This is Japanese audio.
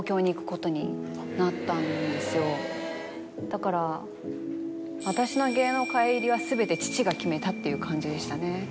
だから私の芸能界入りは全て父が決めたっていう感じでしたね。